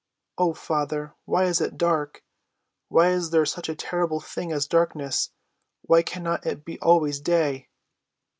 Oh, father, why is it dark? why is there such a terrible thing as darkness? why cannot it be always day?"